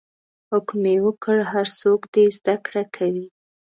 حکم یې وکړ هر څوک دې زده کړه کوي.